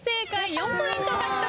４ポイント獲得です。